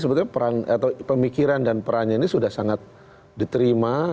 sebetulnya pemikiran dan perannya ini sudah sangat diterima